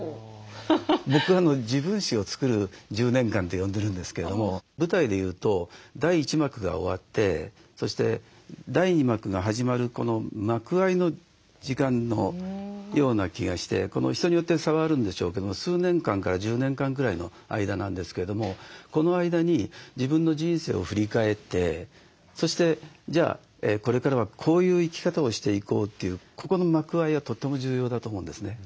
僕「自分史を作る１０年間」って呼んでるんですけれども舞台でいうと第１幕が終わってそして第２幕が始まるこの幕間の時間のような気がして人によって差はあるんでしょうけども数年間から１０年間ぐらいの間なんですけれどもこの間に自分の人生を振り返ってそしてこれからはこういう生き方をしていこうというここの幕間はとても重要だと思うんですね。